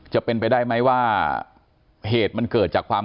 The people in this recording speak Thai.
จะเป็นไปได้ไหมว่าเหตุมันเกิดจากความ